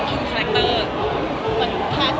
เล่นแกร่งมากโดยไม่ทุคอย่างดี